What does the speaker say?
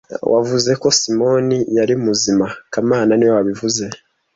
Wavuze ko Simoni yari muzima kamana niwe wabivuze